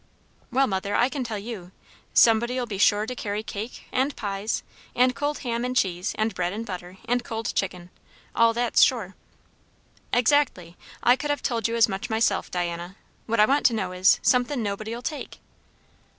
"Well, mother, I can tell you. Somebody'll be sure to carry cake, and pies, and cold ham and cheese, and bread and butter, and cold chicken. All that's sure." "Exactly. I could have told you as much myself, Diana. What I want to know is, somethin' nobody'll take."